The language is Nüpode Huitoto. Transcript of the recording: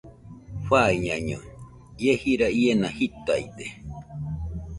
Faiñaño, ie jira iena jitaide